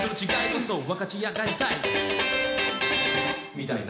みたいな。